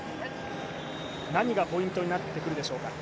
何がポイントになってくるでしょうか。